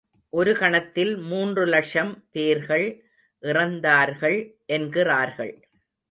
ஒரு கணத்தில் மூன்று லக்ஷம் பேர்கள் இறந்தார்கள் என்கின்றார்கள்.